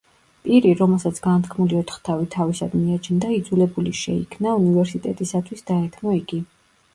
პირი, რომელსაც განთქმული ოთხთავი თავისად მიაჩნდა, იძულებული შეიქნა უნივერსიტეტისათვის დაეთმო იგი.